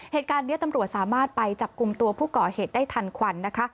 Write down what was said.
เหตุการณ์นี้ตำรวจสามารถไปจับกลุ่มตัวผู้ก่อเหตุได้ทันควันนะคะ